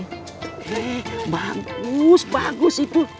hei bagus bagus itu